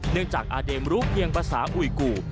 เนื่องจากอาเด็มรู้เพียงภาษาอุยกู